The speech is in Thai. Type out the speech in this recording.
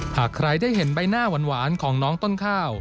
หากใครได้เห็นใบหน้าหวานของน้องต้นข้าว